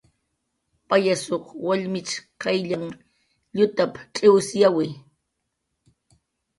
"Payasuq wallmich qayllanh llutap"" cx'iwsyawi"